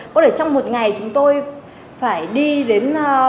có thể trong một ngày chúng tôi phải đi đến